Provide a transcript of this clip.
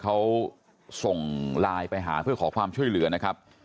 เขาส่งไลน์ไปหาเพื่อขอความช่วยเหลือนะครับ